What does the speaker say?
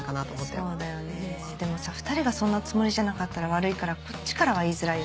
そうだよねでもさ２人がそんなつもりじゃなかったら悪いからこっちからは言いづらいよね。